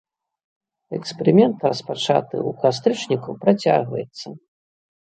Эксперымент, распачаты ў кастрычніку, працягваецца.